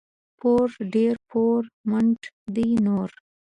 پور دي پور ، منت دي نور.